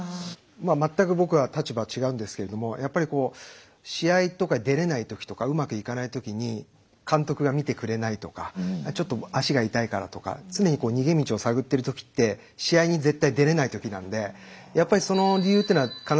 全く僕は立場が違うんですけれどもやっぱりこう試合とか出れない時とかうまくいかない時に監督が見てくれないとかちょっと足が痛いからとか常に逃げ道を探ってる時って試合に絶対出れない時なんでやっぱりその理由っていうのは必ず自分にあって。